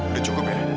udah cukup ya